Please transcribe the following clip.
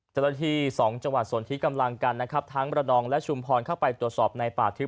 เจ้าหน้าที่สองจังหวัดส่วนที่กำลังกันนะครับทั้งมรนองและชุมพรเข้าไปตรวจสอบในป่าทึบ